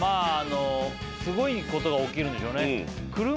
すごいことが起きるんでしょうね。